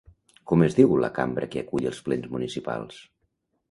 Com es diu la cambra que acull els plens municipals?